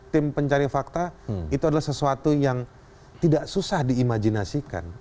tim pencari fakta itu adalah sesuatu yang tidak susah diimajinasikan